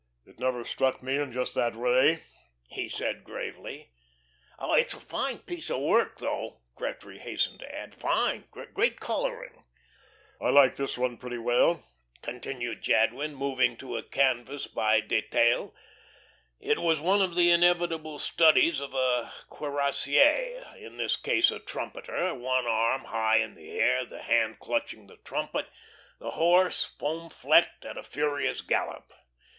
"It never struck me in just that way," he said, gravely. "It's a fine piece of work, though," Gretry hastened to add. "Fine, great colouring." "I like this one pretty well," continued Jadwin, moving to a canvas by Detaille. It was one of the inevitable studies of a cuirassier; in this case a trumpeter, one arm high in the air, the hand clutching the trumpet, the horse, foam flecked, at a furious gallop.